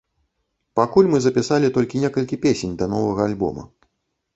Пакуль мы запісалі толькі некалькі песень да новага альбома.